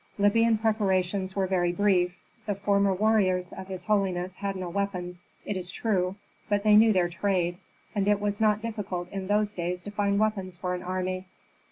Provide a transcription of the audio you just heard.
Libyan preparations were very brief. The former warriors of his holiness had no weapons, it is true, but they knew their trade, and it was not difficult in those days to find weapons for an army.